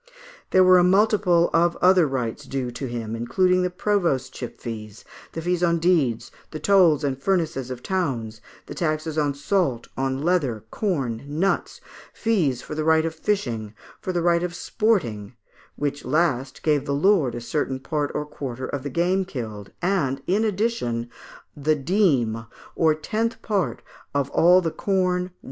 There were a multitude of other rights due to him, including the provostship fees, the fees on deeds, the tolls and furnaces of towns, the taxes on salt, on leather, corn, nuts; fees for the right of fishing; for the right of sporting, which last gave the lord a certain part or quarter of the game killed, and, in addition, the dîme or tenth part of all the corn, wine, &c.